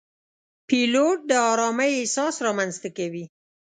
پیلوټ د آرامۍ احساس رامنځته کوي.